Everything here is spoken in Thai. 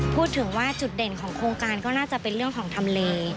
พูดถึงว่าจุดเด่นของโครงการก็น่าจะเป็นเรื่องของทำเล